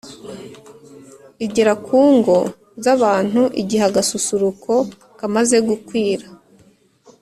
igera ku ngo z'abantu igihe agasusuruko kamaze gukwira